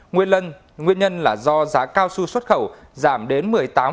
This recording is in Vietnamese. nguyên nhân là do giá cao su xuất khẩu giảm đến một mươi tám sáu so với năm hai nghìn một mươi bảy